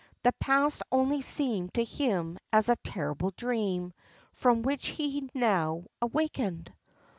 The past only seemed to him as a terrible dream, from which he had now awakened.